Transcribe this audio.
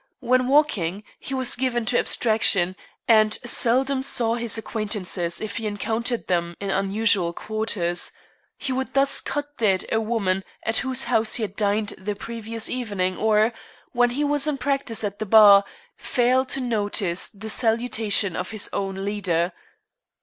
When walking, he was given to abstraction, and seldom saw his acquaintances if he encountered them in unusual quarters. He would thus cut dead a woman at whose house he had dined the previous evening, or, when he was in practice at the Bar, fail to notice the salutation of his own leader.